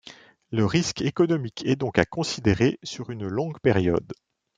Le risque économique est donc à considérer sur une longue période.